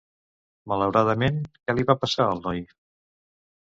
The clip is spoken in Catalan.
Malauradament, què li va passar al noi?